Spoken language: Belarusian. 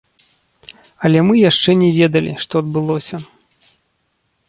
Але мы яшчэ не ведалі, што адбылося.